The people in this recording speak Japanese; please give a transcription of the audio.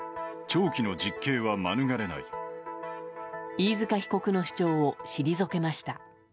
飯塚被告の主張を退けました。